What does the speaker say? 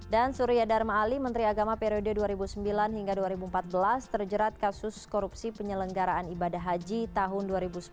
dan surya dharma ali menteri agama periode dua ribu sembilan dua ribu empat belas terjerat kasus korupsi penyelenggaraan ibadah haji tahun dua ribu sepuluh dua ribu tiga belas